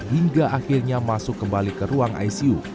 hingga akhirnya masuk kembali ke ruang icu